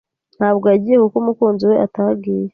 Ntabwo yagiye kuko umukunzi we atagiye.